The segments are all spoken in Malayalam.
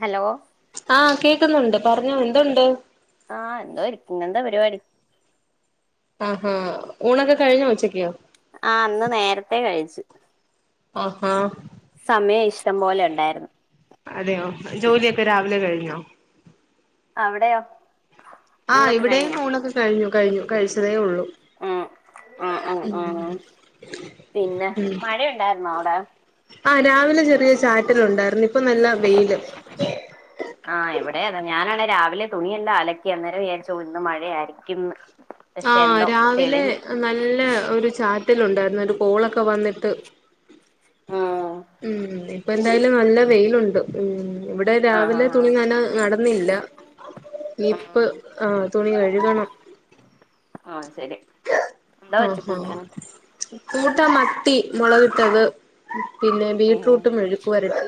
ഹലോ ആഹ കേക്കുന്നുണ്ട് പറഞ്ഞോ എന്തുണ്ട് ആഹ എന്തോ ഇരിക്കും ഇന്ന് എന്താ പരിപാടി ആഹാ ഊണൊക്കെ കഴിഞ്ഞോ ഉച്ചക്ക് ആഹ്‌ ഇന്ന് നേരത്തെ കഴിച്ചു ആഹാ സമയം ഇഷ്ടം പോലെ ഉണ്ടായിരുന്നു ഇപ്പ രാവിലെ കഴിഞ്ഞോ അവിടെയോ ആ ഊണൊക്കെ ഇവിടെയും കഴിഞ്ഞോ ഊണൊക്കെ കഴിഞ്ഞു കഴിഞ്ഞു കഴിച്ചതേ ഉള്ളൂ ഉം ഉ ഉം ഉം ഉ പിന്നെ മഴയ ഉണ്ടായിരുന്നോ അവിടെ ആഹ്‌രാവിലെ ചെറിയ ചാറ്റല ഉണ്ടായിരുന്നു ഇപ്പൊ നല്ല വെയില് ആഹ് ഇവിടെ അതേഞാനാണ രാവിലെ തുണിയെല്ലാംഅലക്കി അന്നേരം വിചാരിച്ചു ഇന്ന് മഴയായിരിക്കും ആഹ് രാവിലെ നല്ല ഒരു ചാറ്റിലുണ്ടായിരുന്നു ഒരു കോളൊക്കെ വന്നിട്ട് ഉം ഉം ഇപ്പൊ എന്തായാലും നല്ല വെയിലുണ്ട് ഉ ഇവിടെ ആഹ് രാവിലെ ആഹ് തുണി നന നടന്നില്ല ആഹ് നാപ്പ് ഉം ആ തുണി കഴുകണം ആഹ്ശരി ആഹഹ കൂട്ട മത്തി മുളകിട്ടത് പിന്നെ ഉം ബീട്രൂട്ടും മേഴുക്ക്‌വരട്ടി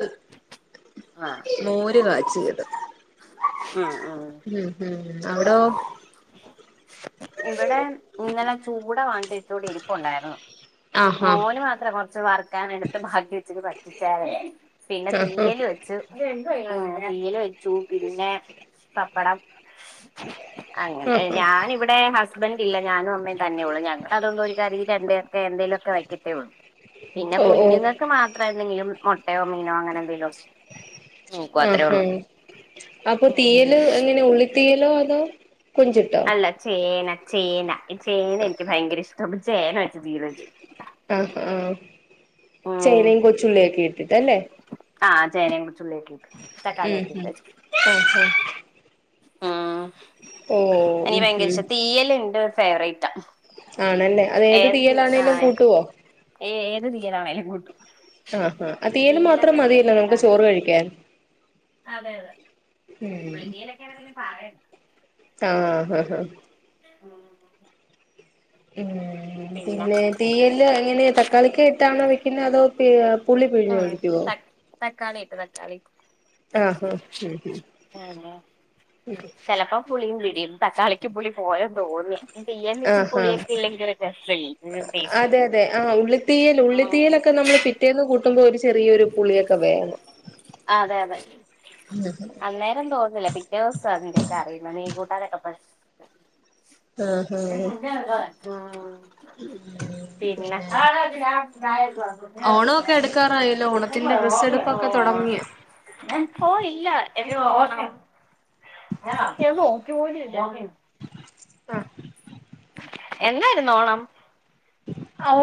ആഹ് മോര് കാച്ചിയത് ഉംഹും ഉഹ് അവിടോ ഇവിടെ ഇന്നലെ ചൂട വാങ്ങിച്ചെ ഇത്തൂടി ഇരിപ്പൊണ്ടാരുന്നു ആഹാ മോന് മാത്രെ കൊറച്ച് വറക്കാൻ എടുത്ത് ബാക്കിവെച്ചിട്ട് പറ്റിച്ചാല് പിന്നെ ആഹ് തീയല് വെച്ചു തീയല് വെച്ചു പിന്നെ പപ്പടം അങ്ങനെ ആഹ് ഞാനിവി ഹസ്ബന്റ് ഇല്ല ഞാനും അമ്മേം തന്നേള്ളു ഞങ്ങളതുകൊണ്ട് ഒരു കറി രണ്ട് പെ വെക്കത്തെ ഒള്ളൂ പിന്നെ ഓ ഓ കുഞ്ഞുങ്ങക്ക് മാത്രം എന്തെങ്കിലും മൊട്ടയോ മീനോ അങ്ങനെ എന്തേലും ആഹ് അപ്പൊ തീയല് എങ്ങനെ ഉള്ളി തീയലോ അതോ കൊഞ്ചിട്ടോ അല്ല ചേന ചേന ചേന എനിക്ക് ഭയങ്കര ഇഷ്ട അപ്പചേന വച്ച് ജീരച്ചു ആഹ ഉം ചേനേം കൊച്ചുള്ളിയൊക്കെ ഇട്ടിട്ട് അല്ലെ ആഹ് ചേനേം കൊച്ചുള്ളിയൊക്കിട്ട് ഉം തക്കാളിയൊക്കിട്ട് ഉം വച്ചിട്ട് ആഹ് ആഹ് ഉം ഓ ഉം എനിക്ക്‌ഭയങ്കര ഉം ഇഷ്ട തീയലിണ്ട് ഫേവറേറ്റാ ആണല്ലേ അത്ഏത് തീയലാണേലും കൂട്ടുവോ ഏ ഏത് തീയിലാണേലും കൂട്ടും ആഹാ ആ തീയല് തീയലെന്ന മാത്രം പേര് മതിയല്ലൊ കേട്ടാ നമുക്ക് മതി ചോറ് കഴിക്കാൻ അതെ അതെ ഉം പുളിതീയിലൊക്കെയാണെങ്കി പിന്നെ പറയണ്ട ആഹ് ഹ ഹ ഉം ഉം പിന്നെ തീയല് എങ്ങനെയ ത ക്കാളിക്ക ഇട്ടാണൊ വെക്കുന്നെ അതൊ പുള്ളി പിഴിഞ്ഞൊഴിക്കുവോ ത തക്കാളി ഇട്ട് തക്കാളിട്ട് ആഹ് ആഹ് ആ ല്ലെ ചെലപ്പം പുളീം പിഴിയും തക്കാളിക്ക് പുളി പോലെന്ന് തോന്ന്യ ആഹ് ആഹ് രസല്ലേ ടേസ്റ്റ് അതെ അതെ ആഹ് ഉള്ളിത്തീയൽ ഉം ഉള്ളിത്തീയലൊക്കെ നമ്മള് പി പിറ്റേന്ന് കൂട്ടുമ്പൊ ഒരു ചെറിയൊരു പുളിയൊക്കെ വേണം അതെ അതെ അന്നേരം തോന്നില്ല പിറ്റേസവ അതന്റേക്കെ അറിയുന്നെ മീങ്കൂട്ടാനൊക്കെ ആഹ് ആഹ് ആഹ് പിന്നെ ഓണവൊക്കെ അടുക്കാറായല്ലോ ഓണത്തിന്റെ ഡ്രസ്സ് എട് പ്പൊക്കെ തൊടങ്ങിയൊ ഓഹ് ഇല്ല ഞാനോക്കിയപോലുല്ലാന്നെ ആഹ് എന്നാരുനോണം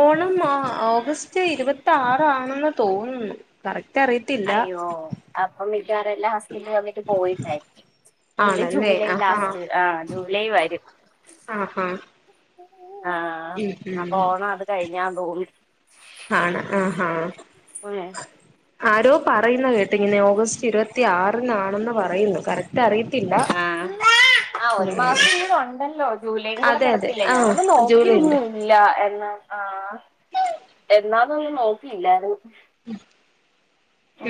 ഓണം ഓഗസ്റ്റ് ഇരുപത്തി ആറാണെന്ന് തോന്നുന്നു കറക്റ്റ് അറിയ അയ്യോ അപ്പം മിക്കവാറുന്റെ ഹസ്ബന്റ് വന്നി പോയിട്ടാരിക്കും പുള്ളി ആണല്ലേ ജൂലൈ ആഹാ ലാസ്റ്റ് ആഹ് ജൂലൈ വരും ആഹ് ഹ് ആഹ് അപ്പം ഓണം അത് കഴിഞ്ഞാന് തോന്ന് ആണ ആഹാ ആരോ പറയുന്ന കേട്ട് ട്ടിങ്ങനെ ഓഗസ്റ്റ് ഇരുപത്തി ആറിനാണെന്ന് പറയുന്നു കറക്റ്റ് അറിയ ആഹ് ആഹ് ഒരു മാസം കൂടൊണ്ടല്ലോ ജൂലൈയും കൂടെ അതെ അതെ കെടപ്പില്ലെ ആഹ് ഞാനൊന്ന് ജൂലൈയില് നോക്കിയൊന്നുംല്ല എന്നാ ആഹ് എന്നാന്ന് ഒന്നും നോക്കിയില്ലാര്ന്ന് ഉം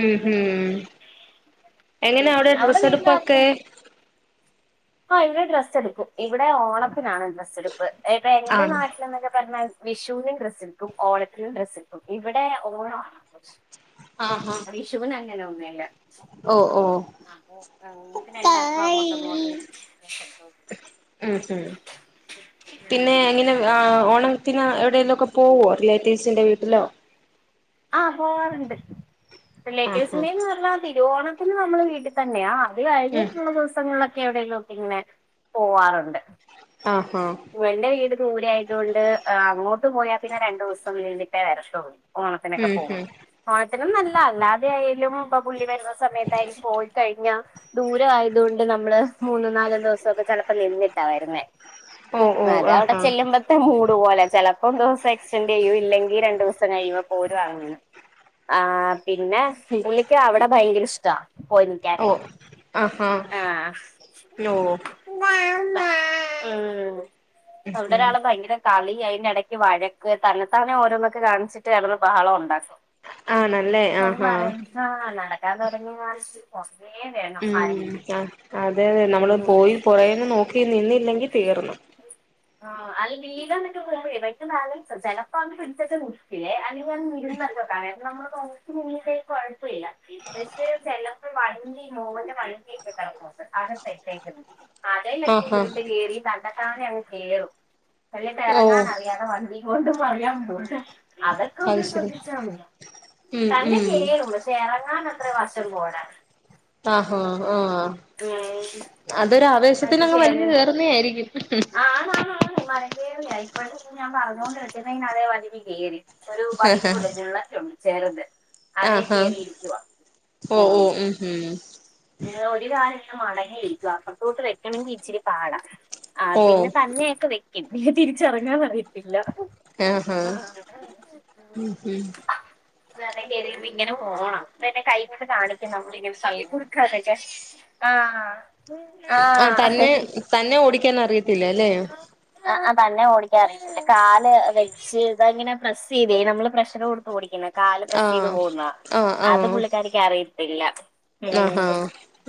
ഉം ഹ്എങ്ങനെ അവിടെ ഡ്രസ്സ്എടുപ്പൊക്കെ ആഹ ഇവിടെ ഡ്രസ്സ് എടുക്കും ഇവിടെ ഓണത്തിനാണ് ഡ്രസ്സ് എടുപ്പ് ഇപ്പൊ എന്റെ ആണ് നാട്ടിൽ എന്നൊക്കെ പറഞ്ഞാ വിഷുവിനും ഡ്രസ്സ്ട്ക്കും ഓണത്തിനും ഡ്രസ്സ്ട്ക്കും ഇവിടെ ഓണാണ് ആഘേഷം അഹ വിഷൂന് അങ്ങനെ ഒന്നൂല്ല ഓ ഓ ഉ പിന്നെ എല്ലാവർക്കും അങ്ങോട്ടും ഇങ്ങോട്ടും എടുക്കും. ഉ പിന്നെ ഉം. എങ്ങനെ ആഹ് ഓണത്തിന് എവിടേലൊക്കെ പോവോ റിലേറ്റീവ്സിന്റെ വീട്ടിലൊ ആഹ് പോവാറുണ്ട് ആഹാ റിലേറ്റീവ്സിന്റേന്ന് പറഞ്ഞാ തിരുവോണത്തിന് നമ്മൾ വീട്ടി തന്നെയാ അത് ഉം കഴിഞ്ഞിട്ടുള്ള ദിവസങ്ങളിലൊക്കെ എവിടെലും ഒക്ക ഇങ്ങനെ പോവാറുണ്ട്. അഹ ആഹ [unintelligible] വീട് ദൂരെ ആയതുകൊണ്ട് അങ്ങോട്ട് പോയാൽ പിന്നെ രണ്ടൂസം നിന്ന്ട്ടെ വരത്തള്ളൂ. ഓണത്തിനൊക്കെ ഉം പോവും ഉം ഓണത്തിനന്നുല്ല അല്ലാതെ ആയാലും ഇപ്പ പുള്ളി വരുന്ന സമയത്തായാലും പോയി ദൂര ആയത് കൊണ്ട് നമ്മള് മൂന്നും നാലും ദിവസക്കെ ചിലപ്പോ നിന്നിട്ടാ വരുന്നേ ഓ ഓ അതെ അവടെ ആഹാ ചെല്ലുമ്പ അപ്പത്തെ മൂട് പോലെ ചെലപ്പോ ദിവസം എക്സ്റ്റെൻഡ് ചെയ്യൂ ഇല്ലെങ്കിൽ രണ്ടു ദിവസം കഴിയുമ്പോ പോരു അങ്ങ് ആ പിന്നെ പുള്ളിക്ക് അവിടെ ഭയങ്കര ഇഷ്ട പോയി ഓ ആഹാ ആഹ ഹലോ ഉ അവിടെ ഒരാള് ഭയങ്കര കളി അതിന്റെ എടയ്ക്ക് വഴക്ക് തന്നത്താനെ ഓരോന്നൊക്കെ കാണിച്ചിട്ട് അവ്ട്ന്ന് ബഹളം ഉണ്ടാക്കും. ആണല്ലേ ആഹാ [unintelligible] ഉം ആരെങ്കിലും ആഹ് അതെ നമ്മള് പോയി പൊഴേന്ന് നോക്കി നിന്നില്ലെങ്കി തീർന്നു ആഹ് അൽ വീലന്നൊക്കെ [unintelligible] പെട്ടന്ന് ബാലൻസൊ ചെലപ്പോ അന്ന് പിടിച്ചച്ച മുർ ല്ലേ അല്ലെങ്കിൽത് ഇരുന്നക്കക്ക കാരണം നമ്മള് കൊക്ക മന്നിേക്ക് കുഴപ്പവില്ല പക്ഷെ ജലം വണ്ടി മോവന്റെ വണ്ടി കിട്ടണം ആകെ ട്ടയ്റ്റായ്ക്ക്ണ് ആകെയ് ആഹാ ഉരുണ്ട് കേറി തനെത്താനെ അങ് കേറും വെള്ളിട്ട ഓ എറങ്ങാൻ അറിയാത്ത മാതിരി- ഇങ്ങോട്ടും മറിയാണ്ട് അതൊക്കെ അത് ഒന്ന് ശരി ശ്രദ്ധിച്ചാണ് ഉം തന്നെ ഉം കേറും പശെ ചെ എറങ്ങാനത്രവശം പോരാ അഹ് ഹാ ആഹ് ഉം അതൊരു മറ്റ ആവേശത്തിനങ്ങ് ചെര് വലിഞ്ഞു കേറുന്നേ ആയിരിക്കും ആഹ് ആണ് ആണ് ആണ് മരെ കേറ്യേ ഇപ്പഴത്തെ ഞാൻ പറഞ്ഞുകൊണ്ട് വെച്ചിര്ന്നയ്ന്നാല് വണ്ടീക്ക് കേറി ഒരു ബൈക്ക ഉണ്ട് ബുള്ളറ്റൊ- ചെറ്ത് അതേ ആഹാ കേറിയിരിക്കുവാ ഓ ഓ ആഹ് ഉം ഉം ഏ് ഒരു കാല് ഇന്ന് മടങ്ങിയിരിക്കുവാ പൊട്ടോട്ട് വെക്കണമെങ്കി ഇച്ചിരി പാടാ ആഹ് ഓ പിന്നെ തന്നെയൊക്കെ വെക്കും പിന്നെ തിരിച്ചറങ്ങാൻ പറയത്തില്ല അഹ്ആഹ് ഉം അതെ കേറി ഇര്ന്ന് ഇങ്ങനെ പോണം പിന്നെ കൈ കൊണ്ട് കാണിക്കണം മ്മളിങ്ങനെ തള്ളി കൊണ്ട് കാക്കട്ടെ ആഹ് ആഹ് ആഹ് തന്നെ തന്നെ ഓടിക്കാൻ അറിയത്തില്ല ല്ലേ അആഹ് തന്നെ ഓടിക്കാറീകാല് വെക് പക്ഷ ഇതങ്ങനെ പ്രസ്സെയ്തെ നമ്മള് പ്രഷറ് കൊട്ത്ത് ഓടിക്കണ കാല് പ്രസ്സ്ചെയ്ത് ആഹ് പോവുന്ന ആഹ് അത് ആഹ് പുള്ളിക്കാരിക്ക് അറിയത്തില്ല ഉം ആഹാ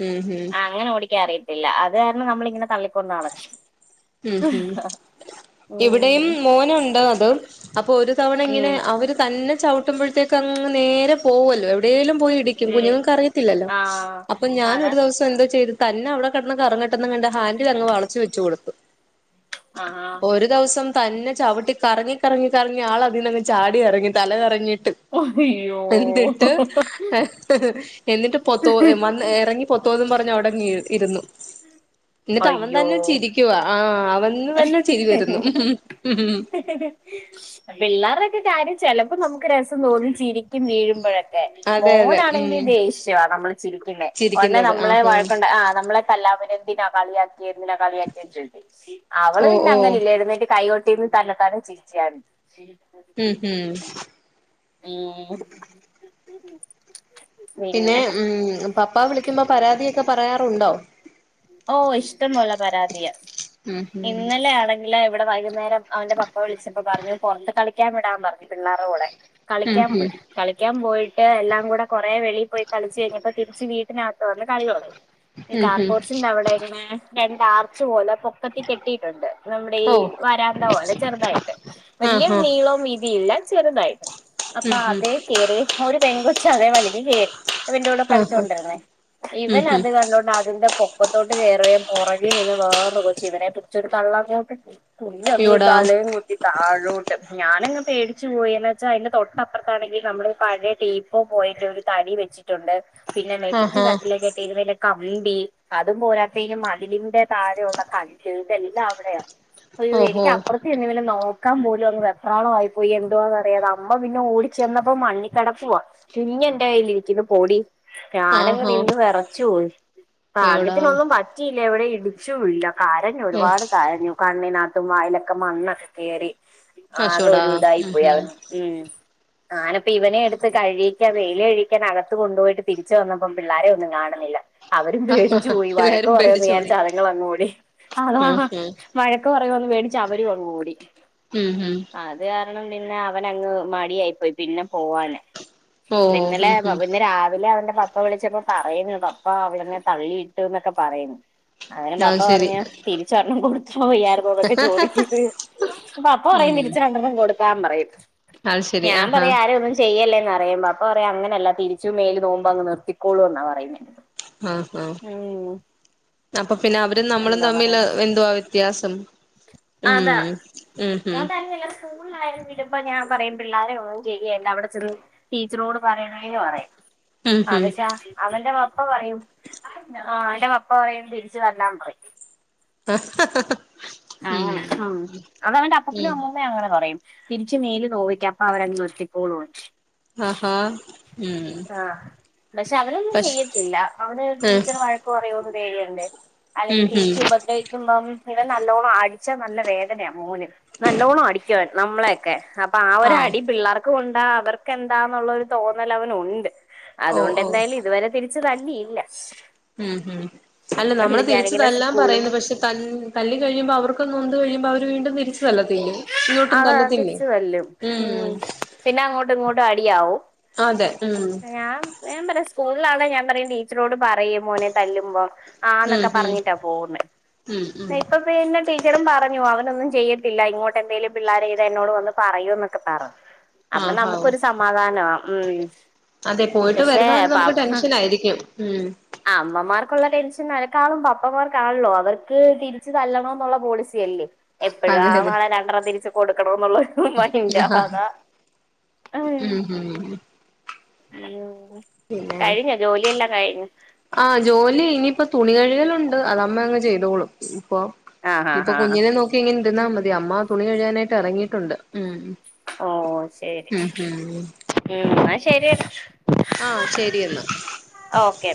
ഉം ഉം ആഹ് അങ്ങനെ ഓടിക്കാ അറിയത്തില്ല അത് കാരണം നമ്മളിങ്ങനെ തള്ളിക്കൊണ്ടാണ് ഉം ഹും ഇവിടെയും ഉം മോനുണ്ട് അത് അപ്പൊ ഒരു- ചവണ ഇങ്ങനെ ഉം അവര് തന്നെ ചവിട്ടുമ്പോഴത്തേക്ക് അങ്ങ് നേരെ പോകുവല്ലോ എവിടേലും പോയി ഇട് തീക്കും ഉം കുഞ്ഞുങ്ങൾക്ക് അറിയത്തില്ലല്ലോ ആ അപ്പൊ ഞാൻ അതാ ഒരു ദിവസം എന്തോ ചെയ്ത് തന്നെ അവിടെ കെടന്ന് കറങ്ങട്ട് എന്ന് കണ്ട് ഹാൻഡിൽ അങ് വളച്ച് വെച്ച് കൊടുത്തു ആഹ് ആഹ് ഒരു ദവസം തന്നെ ചവിട്ടി കറങ്ങി കറങ്ങി കറങ്ങിയ ആൾ അതീന്നങ്ങ് ചാടി എറങ്ങി തല കറങ്ങീട്ട് അയ്യോ എന്നിട്ട് എന്നിട്ട് പൊത്തോ വന്ന് ഇറങ്ങി പൊത്തോന്നും പറഞ്ഞ് അവിടങ് ഇരുന്നു എന്നിട്ട് അവൻ അയ്യോ തന്നെ ചിരിക്കുവാ അവൻ ഇന്ന് തന്നെ ചിരി വരുന്നു പിള്ളേരുടെൊക്കെ കാര്യം ചിലപ്പോ നമുക്ക് രസം തോന്നി ചിരിക്കും വീഴുമ്പോഴൊക്കെ അതെ അതെ മോനാണെങ്കിൽ ഉം ദേഷ്യവാ നമ്മള് ചിരിക്കുന്നേ ഉടനെ ചിരിക്കുന്നത് നമ്മളെ ആഹ് ആഹ് വഴക്കണ്ട് ആ നമ്മളെ ല്ല എന്തിനാ കളിയാക്കി ന്നെ കളാക്കി ചോയിക്കും അവള് ഓ പിന്ന ഓ അങ്ങനല്ലഏടന്നേറ്റ് കൈോട്ട് ന്ന് തന്നെ താണ് ചീച്ചിയ ഉം ഹം ഉം പിന്നെ ഉം പപ്പ വിളിക്കുമ്പോ പരാതിയൊക്കെ പറയാറുണ്ടോ ഓഹ് ഇഷ്ടം പോലെ പരാതിയാ ഉം ഉം ഇന്നലെ ആണെ ഇവിടെ വൈകുന്നേരം അവന്റെ പപ്പ വിളിച്ചപ്പ പറഞ്ഞു പോറത്ത് കളിക്കാൻ വിടാൻ പറഞ്ഞു പിള്ളേരുടെ കൂടെ ഉം കളിക്കാൻ പോയി കളിക്കാൻ പോയിട്ട് എല്ലാം കൂടെ കുറെേ വെളിൽ പോയി കളിച്ച് കഴിഞ്ഞപ്പോ തിരിച്ച് വീട്ടിനകത്ത് വന്ന് കളിയോടങ്ങി ഈ ഉം ഉം ഉം കാർബോഡ്സിന്റെ അവിടെങ്ങനെ രണ്ട ആർച്ച് പോലെൊ പൊ പക്കത്തി കെട്ടിയിട്ടുണ്ട് നമ്മുടെ ഈ ഓ വരാന്ത പോലെ ചെറുതായിട്ട് വലിയ ആഹ് നീളവും വീതില്ല ചെറുതായിട്ട് ആഹ് അപ്പൊ ഉം ഉം അതെ കറി ഒരു പെൺകൊച്ച അതേ വലിഞ് കയറി പിന്റെ കൂടെ ആഹ് കളിച്ചുകൊണ്ടിരുന്നേ ഈവൻ ഉം ഉം അത് കണ്ടുകൊണ്ട് അതിന്റെ പൊക്കത്തോട്ട് കേയറിയ പുറകിനിന്ന് വേർ കൊച്ചു ഇവനെ പിടിച്ചൊരു തള്ളങ്ങോട്ടിട്ടു. ഞ്ഞന്നു അയ്യോടാ താലെ കുത്തി താഴോട്ട് ഞാനങ് പേടിച്ച പോയന്ന് വെച്ചാൽ അതിന്റെ തൊട്ടപ്പുറത്താണെങ്കിൽ നമ്മള് പഴയ ടീ ഇപ്പോ പോയിട്ട് ഒരു തടി വെച്ചിട്ടുണ്ട് പിന്നെ മെറ്റ് ആഹാ കട്ടിലൊക്കെട്ട് ഇപലെ കമ്പി അതും പോരാത്ത ഇ മതിലിന്റെ താഴെയള്ള കല്ല് ഇതെല്ലാം അവിടെയ അയ്യോ ഓഹോ എനിക്ക്പ്പുറ പിന്നെ വലെ നോക്കാൻ പോലും അങ് വെപ്പ്രളവ പോയി എന്താവാന്ന്റിയാത അമ്മ പിന്നെ ഓടിച്ച ചെന്നപ്പോ മണ്ണിക്കടപ്പവാ കിഞ്ഞ എന്റെ കയ്ൽിരിക്കുന്നു പൊടി ഞാനങ്ങ് ആഹാ നിന്ന് വിറച്ചു പോയി അയ്യോടാ ഭാഗ്യത്തിനൊന്നും പറ്റിയില്ല എവിടെ ഇടിച്ചുല്ല കരഞ്ഞു ഉം ഒരുപാട് കരഞ്ഞു. കണ്ണിനകത്തും വായിലൊക്കെ മണ്ണൊക്കെ കേയറി അതെ അശോടാ ഒരു ഇതായി ഉം പോയി അവൻ ഉം മ് ആ ഞാനപ്പ ഇവനെ എടുത്ത് കഴിക്കാൻ വെയിലൽ കഴിക്കാൻ അകത്തു കൊണ്ടുപോയിട്ട് തിരിച്ച വന്നപ്പം പിള്ളാരെ ഒന്നും കാണുന്നില്ല. അവരും പേടിച്ചു പോയി വഴക്ക് എല്ലാരും പറയുന്ന് പേടിച്ചോടി വിചാരിച്ചു അതിങ്ങൾ അങ്ങ ഓടി ഉം ഉം വഴക്ക പറയുന്ന് പേടിച അവരങ്ങ് ഓടി ഉം ഹം അത് കാരണം പിന്നെ അവന അങ്ങ് മടിയായിപ്പോയി പിന്നെ പോവാന് ഓ പിന്നലെ ഉം ഉം ഇന്ന് രാവിലെ അവന്റെ പപ്പ വിളിച്ചപ്പോ പറയുന്നു പപ്പ അവളന്ന തള്ളിയിട്ടു എന്നൊക്കെ പറയുന്നു അങ്ങനെ പാപ്പ അത് ശരി പറഞ്ഞു തിരിച്ചരെണം കൊടുത്തുവയ്യായിരുന്നു അതൊക്കെ ചോദിക്കത് പ്പൊ പപ്പ പറയും തിരിച്ച രണ്ടെണ്ണം കൊടുക്കാൻ പറയും അത് ശരി ഞാൻ ആഹാ പറയും ആരെയ ഒന്നും ചെയ്യല്ലേന്ന്റിയുമ്പോ അപ്പ പറ അങ്ങനല്ല തിരിച്ചും മേല് നോവുമ്പോ അങ് നിർത്തിക്കോളും എന്നാ പറയുന്നെ ആഹഹാ അപ്പൊ പിന്നെ അവരും നമ്മളും എന്താ പറയാ തമ്മില് എന്തുവാ വ്യത്യാസം. അതാ ഉം ഉം ഉം തങ്ങല്ല സ്കൂളിലായാലും വിടുമ്പോ ഞാൻ പറയും പിള്ളാരൊന്നും ശെരിയല്ല അവിടെ ചെന്ന് ടീച്ചറോട് പറയണേ പറയും. ഉം അത്ശാ അവന്റെ പപ്പ പറയും ആ അവന്റെ പപ്പ പറയും തിരിച്ചു തല്ലാൻ പറയും. [unintelligible] ആ ഉം ഉം ആ അതവന്റെ അപ്പൂപ്പനും ഉം അമ്മു പ്പ ഞ്ഞാങ്ങനെ പറയും തിരിച്ചു മേല് നോവിക്ക് അപ്പൊ അവരങ്ങ് നിർത്തിക്കോളൂ അഹാ ഏ പക്ഷെ അവനൊന്നും ചെയ്യത്തില്ല അവന് ഉം ടീച്ചർ വഴകക്ക് പറയോന്ന് പേടി ഉണ്ട്. അല്ലങ് ഈ ഉം ഉം തിരിച്ച് ഉഭദ്രവിക്കുണ്ടോന്ന് ഇവൻ ന നല്ലോണം അടിച്ച നല്ല വേദനയാ മോന് നല്ലോണം അടിക്ക വൻ നമ്മളൊക്കെ അ പ്പൊ ആ ഒരു ആഹ് അടി പിള്ളേർക്ക് കൊണ്ടാ അവർക്ക്ന്താന്നുള്ളരു തോന്നൽ അവനുണ്ട്. ഓ അതുകൊണ്ട് ഓ എന്തായാലും ഇതുവരെ തിരിച്ച് തല്ലിയില്ല. ഉം ഉം അല്ല നമ്മള് അതുകൊണ്ട് ഞാനിങ്ങനെ തിരിച്ചതല്ലാം സ്കൂളും പറയുന്നു പക്ഷെ ത തല്ലി കഴിയുമ്പോ അവർക്ക കൊന്ന് കഴിയുമ്പോ അവര് വീണ്ടും തിരിച്ചുതല്ലത്തില്ലേ. അതാ തിരിച്ചുതല്ലും ഉം പിന്നെ അങ്ങോട്ടും ഇങ്ങോട്ടും അടിയാവും അതെ ഉം ഞാൻ ഞാൻ പറയാ സ്കൂളിലാണെ ഞാൻ പറയും ടീച്ചറോട് പറയ് മോനെ തല്ലുമ്പോ ഉം ആന്നൊക്കെ ഉം പറഞ്ഞിട്ടാ പോവുന്നെ ഉം ഉം ന്നാ ഇപ്പം പ്പോ പിന്നെ ടീച്ചറും പറഞ്ഞു അവനൊന്നും ചെയ്യത്തില്ല ഇങ്ങോട്ട് എന്തേലും പിള്ളേർ ചെയ്ത എന്നോട് വന്ന് പറയുന്നൊക്കെ പറഞ്ഞു. അപ്പൊ ആഹാ നമുക്കൊരു സമാധാനമാ ഉം അതെ പോയിട്ട് പക്ഷെ വരുന്നവരെ നമുക്ക് ടെൻഷൻ ആയിരിക്കും ഉം ആ അമ്മമാർക്കുള്ള ടെൻഷൻ അനക്കാളും പാപ്പമാർക്കാണല്ലോ അവർക്ക് തിരിച്ച് തല്ലണന്നുള്ള പോളിസി അല്ലേ എപ്പഴു അതെ അതെ ആളാവാൻ രണ്ട്ര തിരിച്ച് കൊടുക്കണന്നുള്ളൊരു മെയ്ന്റ അതാ അതെ ഉം ഉം ഉ ഉം കഴിഞ്ഞ ജോലിയെല്ലാം കഴിഞ്ഞോ ആ ജോലി ഇനിയിപ്പോ തുണി കഴുകലുണ്ട് അതമ്മ അങ്ങ് ചെയ്തോളും ഇപ്പൊ ആഹ് ആഹ് ഇപ്പൊ ആഹ് കുഞ്ഞിനെ നോക്കി ഇങ്ങനെ ഇരുന്നാ മതി അമ്മ തുണി കഴിയാനായിട്ട് ഇറങ്ങിട്ടുണ്ട് ഉം ഓ ശരി ഉം ഉം ഉം ന്നാശരിന്നാ ആ ശരിയെന്നാ ഓക്കെ